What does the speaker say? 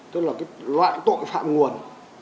tức là cái loại tội phạm nguồn